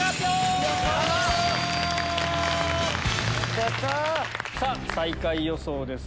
そして最下位予想です